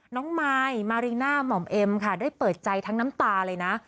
น้องมายมาริน่าหม่อมเอ็มค่ะได้เปิดใจทั้งน้ำตาเลยนะ